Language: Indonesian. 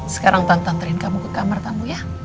sekarang tante nterin kamu ke kamar tamu ya